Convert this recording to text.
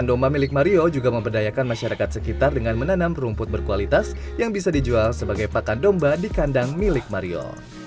domba yang berkualitas yang bisa dijual sebagai pakan domba di kandang milik mario